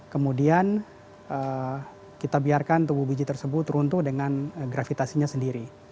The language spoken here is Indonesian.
kemudian kita biarkan tubuh biji tersebut runtuh dengan gravitasinya sendiri